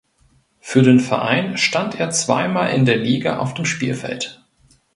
Für den Verein stand er zweimal in der Liga auf dem Spielfeld.